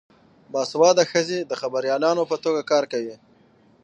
باسواده ښځې د خبریالانو په توګه کار کوي.